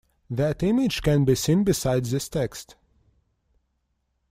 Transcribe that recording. That image can be seen beside this text.